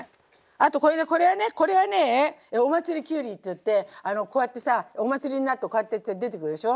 あとこれはねお祭りきゅうりっていってこうやってさお祭りになるとこうやって出てくるでしょ。